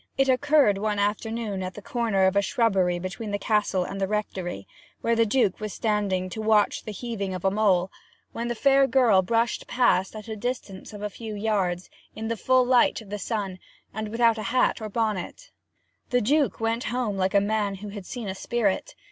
It occurred one afternoon at the corner of a shrubbery between the castle and the rectory, where the Duke was standing to watch the heaving of a mole, when the fair girl brushed past at a distance of a few yards, in the full light of the sun, and without hat or bonnet. The Duke went home like a man who had seen a spirit.